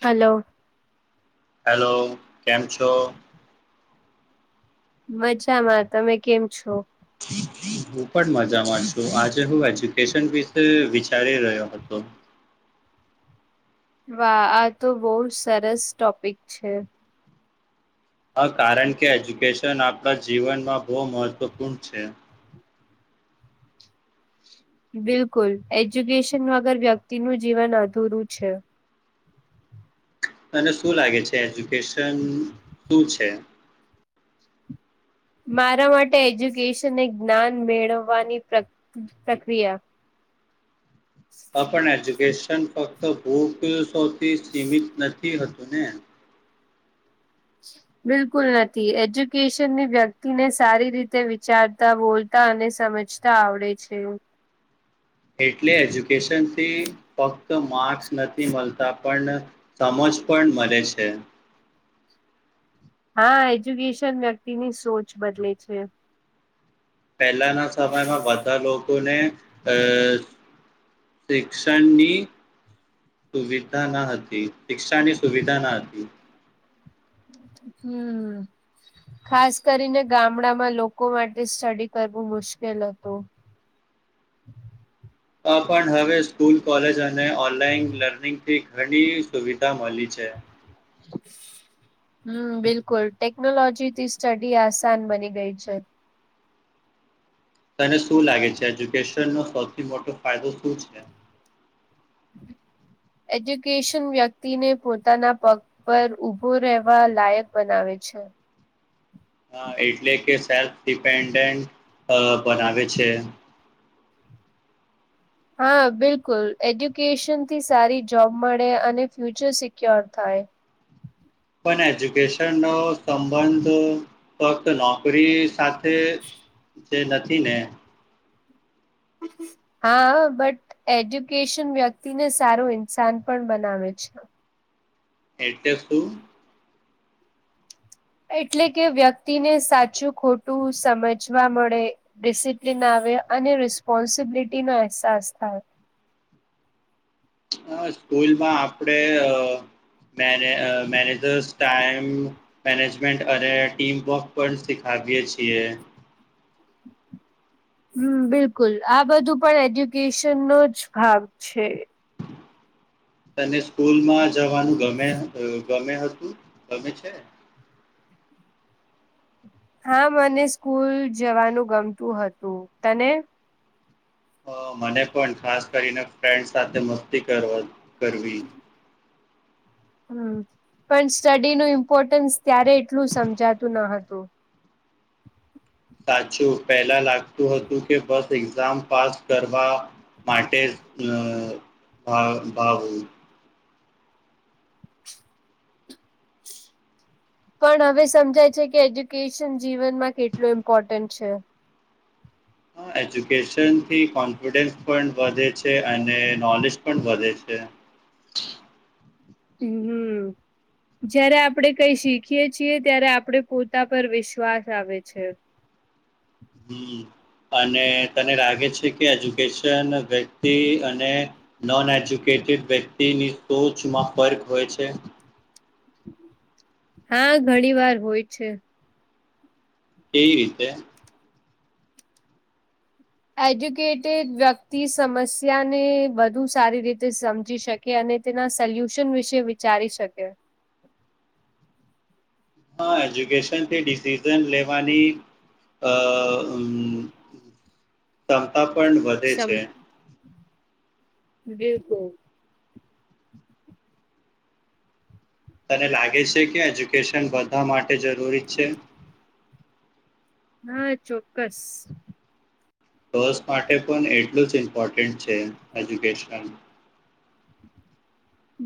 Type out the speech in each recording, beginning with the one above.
Hello hello, કેમ છો? મજામાં તમે કેમ છો? હું પણ મજામાં છું આજે હું એજ્યુકેશન વિશે વિચારી રહ્યો હતો વાહ આ તો બહુ સરસ ટોપિક છે. હ કારણ કે એજ્યુકેશન આપણા જીવનમાં બહુ મહત્વપૂર્ણ છે. બિલકુલ, એજ્યુકેશન વગર વ્યક્તિ નું જીવન અધુરું છે. તને શું લાગે છે, એજ્યુકેશન શું છે? મારા માટે એજ્યુકેશનને જ્ઞાન મેળવવાની પ્રક્રિયા. આ પણ એજ્યુકેશન ફક્ત ભૂકસોથી સીમિત નથી હતું ને. બિલકુલ નથી એજ્યુકેશનની વ્યક્તિને સારી રીતે વિચારતા હોય તા અને સમજતા આવડે છે. એટલે એજ્યુકેશનથી ફક્ત માર્ક્સ નથી મળતા પણ સમજ પણ મલે છે. હા, એજ્યુકેશન વ્યક્તિની સોચ બદલે છે. પહેલાના સમયમાં બધા લોકોને અ શિક્ષણની. સુવિધા ના હતી, શિક્ષાની સુવિધા ના હતી. હમ. ખાસ કરીને ગામડામાં લોકો માટે સ્ટડી કરવું મુશ્કેલ હતું. આ પણ હવે સ્કૂલ કોલેજ અને ઓનલાઈન લર્નિંગથી ઘણી સુવિધા મળી છે. હમ, બિલકુલ. ટેકનોલોજીથી સ્ટડી આસાન બની ગઈ છે. તને શું લાગે છે? એજ્યુકેશન નો સૌથી મોટો ફાયદો શું છે? એજ્યુકેશન વ્યક્તિને પોતાના પગ પર ઉભો રહેવા લાયક બનાવે છે. એટલે કે, સેલ્ફ ડિપેન્ડન્ટ બનાવે છે. હા, બિલકુલ. એજ્યુકેશન થી સારી જોબ મળે અને ફ્યુચર સિક્યોર થાય. પણ એજ્યુકેશન નો સંબંધ ફક્ત નોકરી સાથે તે જે નથી ને. હા, બટ. એજ્યુકેશન વ્યક્તિને સારું ઇન્સાન પણ બનાવે છે. એટલે શું? એટલે કે વ્યક્તિને સાચું ખોટું સમજવા મળે. ડિસિપ્લિન આવે અને રિસ્પોન્સિબિલિટી નો અહેસાસ થાય. હ, સ્કૂલમાં આપડે મે મેનેજર્સ ટાઈમ. મેનેજમેન્ટ અને ટીમ વર્ક પણ શીખાવીએ છીએ. હમ, બિલકુલ. આ બધું પણ એજ્યુકેશન નો જ ભાગ છે. તને સ્કૂલમાં જવાનું ગમે? ગમે હતું? ગમે છે? હા, મને સ્કૂલ જવાનું ગમતું હતું. તને? મને પણ ખાસ કરીને ફ્રેન્ડ સાથે મસ્તી કરવાનું ગમે. હમ, પણ સ્ટડીનું ઇમ્પોર્ટન્સ ત્યારે એટલું સમજાતું ન હતું. સાચું, પહેલા લાગતું હતું કે બસ એક્ઝામ. પાસ કરવા માટે ભ ભાવ પણ હવે સમજાય છે કે એજ્યુકેશન જીવનમાં કેટલું ઇમ્પોર્ટન્ટ છે. હ, એજ્યુકેશન થી કોન્ફિડન્સ પણ વધે છે અને નોલેજ પણ વધે છે. હ, હમ. જયારે આપણેે કંઈ શીખીએ છીએ, ત્યારે આપડે પોતા પર વિશ્વાસ આવે છે. હમ. અને તને લાગે છે કે એજ્યુકેશન વ્યક્તિ અને નોન એજ્યુકેટેડ વ્યક્તિની સોચમાં ફર્ક હોય છે. હા, ઘણી વાર હોય છે. કેવી રીતે? એજ્યુકેટેડ વ્યક્તિ સમસ્યા ને વધુ સારી રીતે સમજી શકે. કે અને તેના સોલ્યુશન વિશે વિચારી શકે. હા, એજ્યુકેશન થી ડિસિઝન લેવાની. અ ક્ષમતા પણ વધે ક્ષમ છે. બિલકુલ તને લાગે છે કે એજ્યુકેશન બધા માટે જરૂરી છે. હા, ચોક્કસ. ગર્લ્સ માટે પણ એટલું જ ઇમ્પોર્ટન્ટ છે એજ્યુકેશન.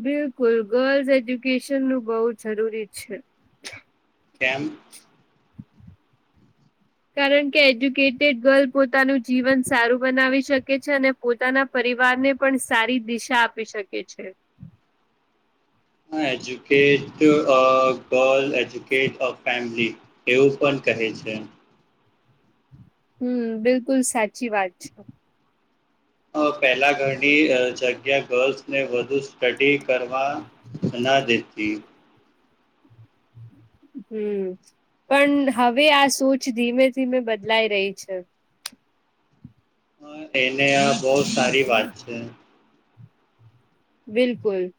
બિલકુલ, ગર્લ્સ એજ્યુકેશન નું બઉુ જરૂરી છે. કેમ? કારણ કે, એજ્યુકેટેડ ગર્લ પોતાનું જીવન સારું બનાવી શકે છે અને પોતાના પરિવારને પણ સારી દિશા આપી શકે છે. અ educate a girl educate a family એવું પણ કહે છે. હમ્મ બિલકુલ સાચી વાત છે. અ પેલા ઘરની જગ્યા ગર્લ્સને વધુ સ્ટડી કરવા બના દેતી હમ્મ પણ હવે આ સોચ ધીમે ધીમે બદલાઈ રહી છે. હા એને આ બહું સારી વાત છે. બિલકુલ.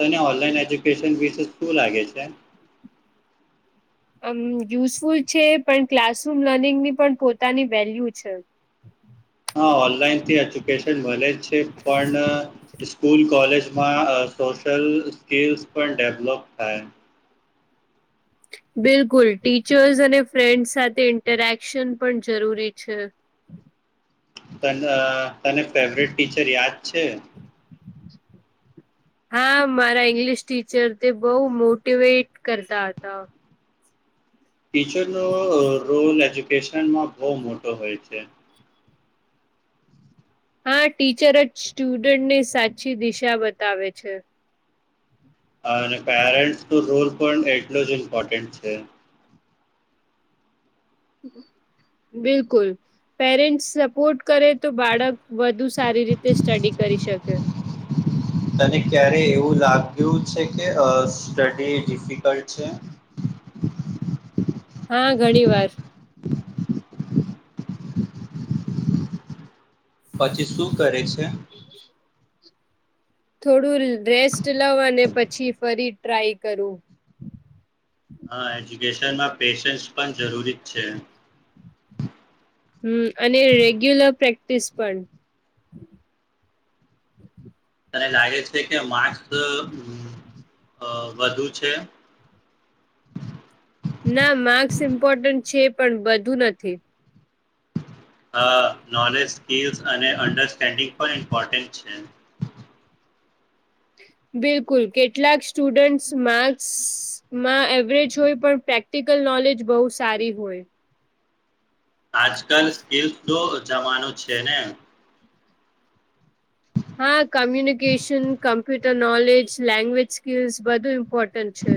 તને ઓનલાઈન એજ્યુકેશન વિશે શું લાગે છે? આમ યુઝફુલ છે પણ ક્લાસરૂમ લર્નિંગની પણ પોતાની વેલ્યુ છે હા ઓનલાઈન થી એજ્યુકેશન મળે જ છે પણ સ્કૂલ કોલેજ માં સોશયલ સ્કિલ્સ પણ ડેવલોપ થાય બિલકુલ ટીચર્સ અને ફ્રેન્ડસ સાથે ઇન્ટરેક્શન પણ જરૂરી છે. તન તને ફેવરેટ ટીચર યાદ છે. અ હા મારા ઈંગ્લિશ ટીચર તે બહું મોટીવેટ કરતા હતા. ટીચરનો રોલ એજ્યુકેશનમાં બહુ મોટો હોય છે. હા ટીચર જ સ્ટુડન્ટની સાચી દિશા બતાવે છે. હ પેરેન્ટસ નો રોલ પણ એટલો જ ઇમ્પોર્ટન્ટ છે બિલકુલ. પેરેન્ટસ સપોર્ટ કરે તો બાળક વધુ સારી રીતે સ્ટડી કરી શકે. તને ક્યારે એવું લાગ્યું છે કે સ્ટડી ડિફિકલ્ટ છે. હા ઘણી વાર પછી શું કરે છે? થોડું રેસ્ટ લવ અને પછી ફરી ટ્રાય કરું હા એજ્યુકેશનમાં પેશન્સ પણ જરૂરી જ છે. હમ્મ અને રેગ્યુલર પ્રેક્ટિસ પણ તને લાગે છે કે અ માર્ક્સ વધુ છે. ના માર્ક્સ ઇમ્પોર્ટન્ટ છે પણ બધું નથી. અ નોલેજ સ્કીલ અને અન્ડરસ્ટેન્ડિંગ પણ ઇમ્પોર્ન્ટ છે. બિલકુલ કેટલાક સ્ટુડન્ટસ માર્ક્સમાં એવરેજ હોય પણ પ્રેક પ્રેક્ટિકલ નોલેજ બહુ સારી હોય આજકાલ સ્કેલસ નો જમાનો છે ને હા communication computer knowledge language skills બધું ઇપોર્ટ ટેન્ટ છે.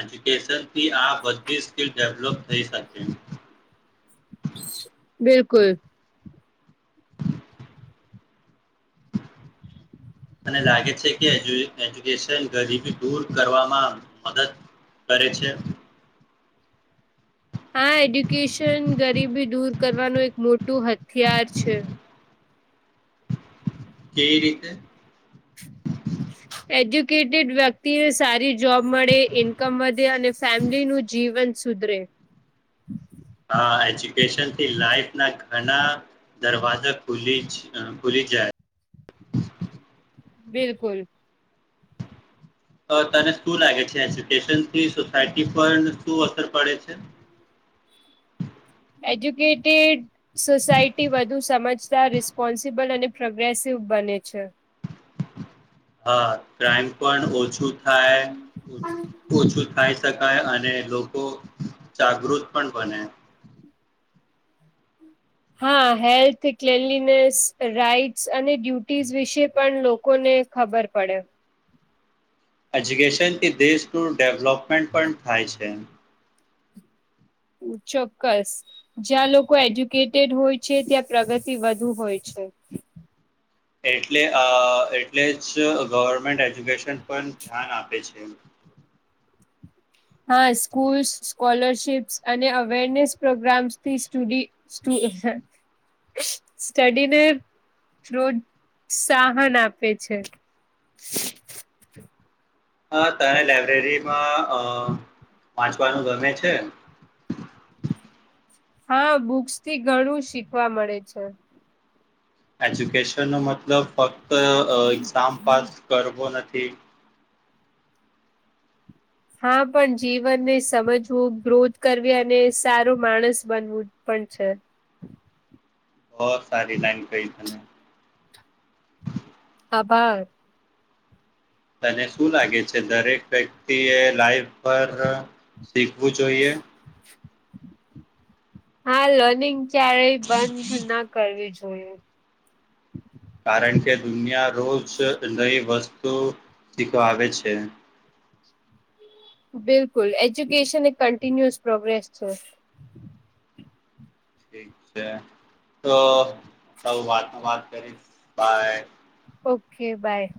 એજુકેશનથી આ બધી સ્કીલ ડેવલોપ થઈ શકે. બિલકુલ. મને લાગે છે કે એ એજ્યુકેશન ગરીબી દૂર કરવામાં મદદ કરે છે. હા એજ્યુકેશન ગરીબી દૂર કરવાનું એક મોટું હથિયાર છે. કેવી રીતે? [inaudible] એજ્યુકેટેડ વ્યક્તિને સારી જોબ મળે ઈન્કમ વધે અને ફેમિલીનું જીવન સુધરે. હા એજ્યુકેશનથી લાઈફના ઘણા દરવાજા ખુલી જ અ ખુલી જાય. બિલકુલ. અ તને શું લાગે છે એજ્યુકેશનથી સોસાયટી પર શું અસર પડે છે? એજ્યુકેટેડ સોસાયટી વધુ સમજદાર રીસ પોન્સિબલ અને પ્રોગ્રેસિવ બને છે. હા, ક્રાઈમ પણ ઓછું થાય ઓછું ખાઈ શકાય અને લોકો જાગૃત પણ બને. હા, હેલ્થ ક્લેનલીનેસ રાઈટ્સ અને ડ્યુટીઝ વિશે પણ લોકોને ખબર પડે. એજ્યુકેશનથી દેશનું ડેવલોપમેન્ટ પણ થાય છે. ચોક્કસ. જ્યાં લોકો એજ્યુકેટેડ હોય છે ત્યાં પ્રગતિ વધુ હોય છે. એટલે અ એટલે જ ગવર્મેન્ટ એજ્યુકેશન પણ ધ્યાન આપે છે. હા સ્કૂલ્સ સ્કોલરશિપ્સ અને અવેરનેસ પ્રોગ્રામ્સથી સ્ટુડી સ્ટુ હે સ્ટડીને પ્રોત સાહન આપે છે. હા તને લાઈબ્રેરીમાં અ વાંચવાનું ગમે છે? હા બુક્સથી ઘણું શીખવા મળે છે. એજ્યુકેશનનો મતલબ ફક્ત અ એક્ઝામ પાસ કરવો નથી. હા, પણ જીવનને સમજવું, ગ્રોથ કરવી અને સારો માણસ બનવું પણ છે. બો સારી લાઈન કઈ તમે. આભાર. તને શું લાગે છે દરેક વ્યક્તિએ લાઈફ પર શીખવું જોઈએ? [inaudible] હા, લર્નિંગ ક્યારેય બંધ ના કરવી જોઈએ. કારણ કે દુનિયા રોજ નઈ વસ્તુ શીખાવે છે. બિલકુલ, એજ્યુકેશન એક કન્ટિન્યુઅસ પ્રોગ્રેસ છે. ઠીક છે તો તું વાતમાં વાત કરીશ બાય. Okay by.